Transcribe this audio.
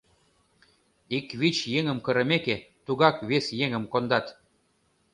Ик вич еҥым кырымеке, тугак вес еҥым кондат...